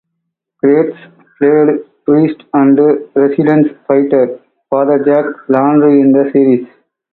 Gretsch played priest and resistance fighter, Father Jack Landry in the series.